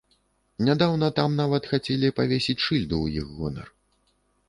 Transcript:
Нядаўна там нават хацелі павесіць шыльду ў іх гонар.